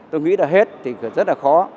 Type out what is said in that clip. tôi nghĩ là hết thì rất là khó